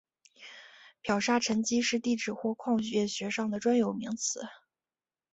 漂砂沉积是地质或矿业学上的专有名词。